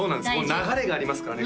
流れがありますからね